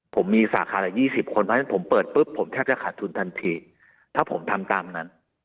ผมมีสาขาละ๒๐คนเพราะฉะนั้นผมเปิดปุ๊บผมแทบจะขาดทุนทันทีถ้าผมทำตามนั้น